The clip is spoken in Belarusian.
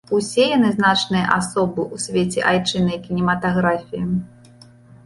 Усе яны значныя асобы ў свеце айчыннай кінематаграфіі.